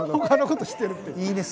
他のことしてるっていう。